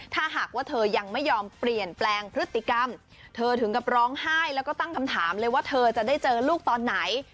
ถ้าหากว่าเธอยังไม่ยอมเปลี่ยนแปลงพฤติกรรมเธอถึงกับร้องไห้แล้วก็ตั้งคำถามเลยว่าเธอจะได้เจอลูกตอนไหน